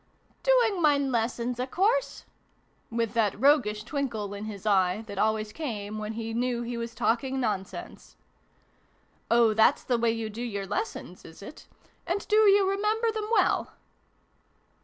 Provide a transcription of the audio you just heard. " Doing mine lessons, a course !" With that roguish twinkle in his eye, that always came when he knew he was talking nonsense. " Oh, thafs the way you do your lessons, is it ? And do you remember them well